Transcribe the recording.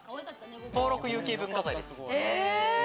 登録有形文化財です。